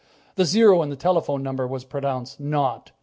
The zero in the telephone number he pronounced "naught."